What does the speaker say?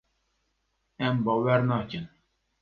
Em bawer nakin.